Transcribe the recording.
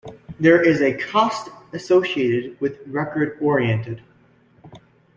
There is a cost associated with record oriented.